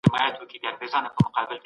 رشوت یوه ټولنیزه ناروغي ده.